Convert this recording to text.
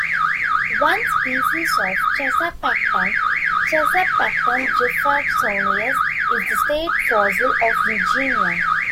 One species of "Chesapecten", "Chesapecten jeffersonius", is the state fossil of Virginia.